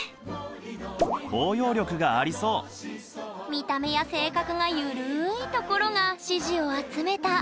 見た目や性格がゆるいところが支持を集めた！